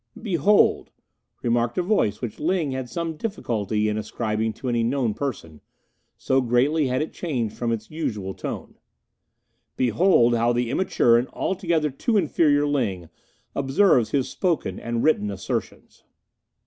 "Behold," remarked a voice which Ling had some difficulty in ascribing to any known person, so greatly had it changed from its usual tone, "behold how the immature and altogether too inferior Ling observes his spoken and written assertions!"